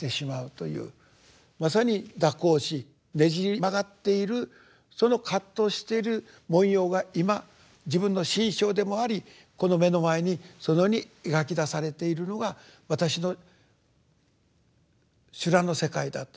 まさに蛇行しねじ曲がっているその葛藤している模様が今自分の心象でもありこの目の前にそのように描き出されているのが私の修羅の世界だと。